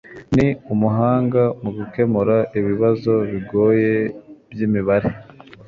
Ni umuhanga mu gukemura ibibazo bigoye byimibare.